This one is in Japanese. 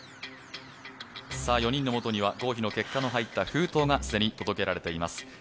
４人のもとには合否の結果の入った封筒が既に届けられています。